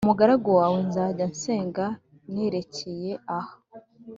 umugaragu wawe nzajya nsenga nerekeye aha.